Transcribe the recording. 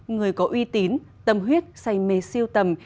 người có uy tín tâm huyết say mê siêu tầm